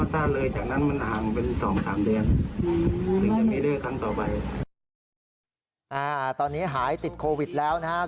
ตอนนี้หายติดโควิดแล้วนะครับ